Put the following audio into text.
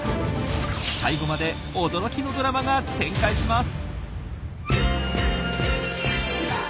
最後まで驚きのドラマが展開します。